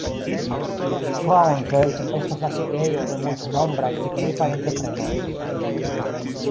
Frauenfeld estas la sidejo de multnombraj signifaj entreprenoj.